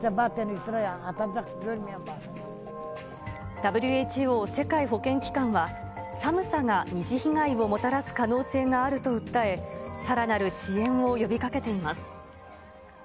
ＷＨＯ・世界保健機関は、寒さが二次被害をもたらす可能性があると訴え、さらなる支援を呼びかけています。